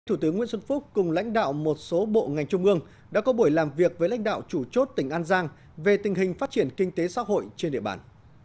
thủ tướng nguyễn xuân phúc cùng lãnh đạo một số bộ ngành trung ương đã có buổi làm việc với lãnh đạo chủ chốt tỉnh an giang về tình hình phát triển kinh tế xã hội trên địa bàn